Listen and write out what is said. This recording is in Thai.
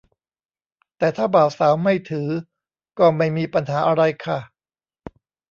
แต่ถ้าบ่าวสาวไม่ถือก็ไม่มีปัญหาอะไรค่ะ